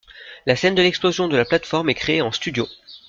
La scène de l'explosion de la plate-forme est créée en studio.